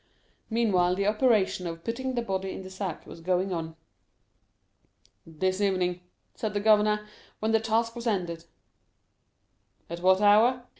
Meanwhile the operation of putting the body in the sack was going on. "This evening," said the governor, when the task was ended. "At what hour?"